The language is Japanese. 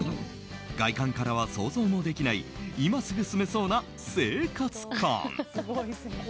外観からは想像もできない今すぐ住めそうな生活感。